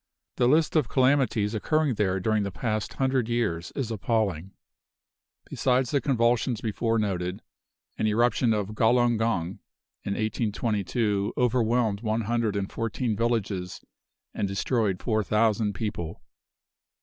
The list of calamities occurring there during the past hundred years is appalling. Besides the convulsions before noted, an eruption of Galung gung, in 1822, overwhelmed one hundred and fourteen villages and destroyed four thousand people.